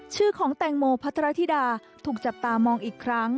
ชื่อของแตงโมพัทรธิดาถูกจับตามองอีกครั้ง